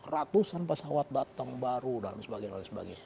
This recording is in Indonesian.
ratusan pesawat datang baru dan sebagainya